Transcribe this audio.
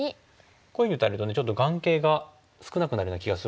こういうふうに打たれるとちょっと眼形が少なくなるような気がするんですけど。